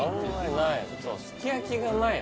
はい